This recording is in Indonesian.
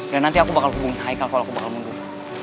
dan nanti aku bakal hubungin haikal kalau aku bakal mundur